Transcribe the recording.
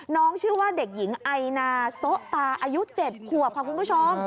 น้องชื่อว่าเด็กหญิงไอนาโซะตาอายุ๗ขวบค่ะคุณผู้ชม